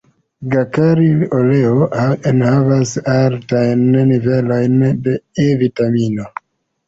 Gakaril-oleo enhavas altajn nivelojn de E-vitamino.